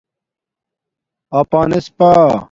اپݳنس پݳ